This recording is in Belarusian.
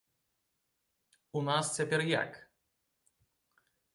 У нас цяпер як?